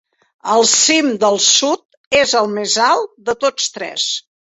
El cim del sud és el més alt de tots tres.